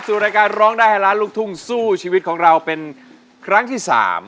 รายการร้องได้ให้ล้านลูกทุ่งสู้ชีวิตของเราเป็นครั้งที่๓